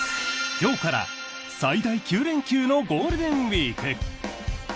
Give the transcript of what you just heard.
今日から最大９連休のゴールデンウィーク。